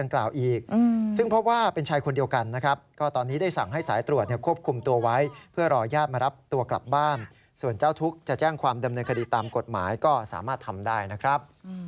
กล่าวอีกซึ่งเพราะว่าเป็นชายคนเดียวกันนะครับก็ตอนนี้ได้สั่งให้สายตรวจควบคุมตัวไว้เพื่อรอญาติมารับตัวกลับบ้านส่วนเจ้าทุกข์จะแจ้งความดำเนินคดีตามกฎหมายก็สามารถทำได้นะครับ